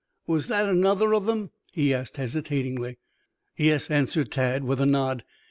"Was that another of them?" he asked hesitatingly. "Yes," answered Tad, with a nod.